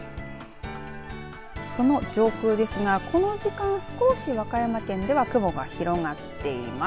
その上空ですが、この時間、少し和歌山県では雲が広がっています。